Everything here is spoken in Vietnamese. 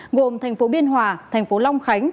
ngồm thành phố biên hòa thành phố long khánh